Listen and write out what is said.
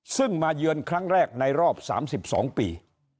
ซึ่งมาเยือนครั้งแรกในรอบ๓๒ปี